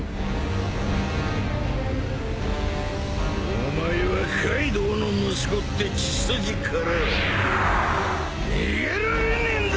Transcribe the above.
お前はカイドウの息子って血筋からは逃げられねえんだぜ！